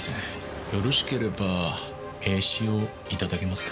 よろしければ名刺をいただけますか？